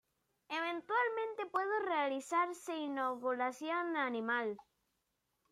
Eventualmente puede realizarse inoculación animal.